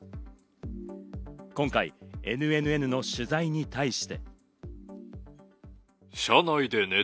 今回ＮＮＮの取材に対して。